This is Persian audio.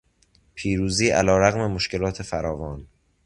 پیروزی علیرغم مشکلات فراوان